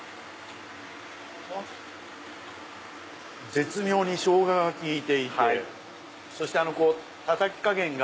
絶妙にショウガが利いていてそしてたたき加減が。